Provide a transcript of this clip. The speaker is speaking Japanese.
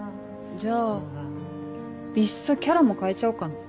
じゃあいっそキャラも変えちゃおうかな？